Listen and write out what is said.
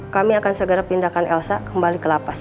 kami akan segera pindahkan elsa kembali ke lapas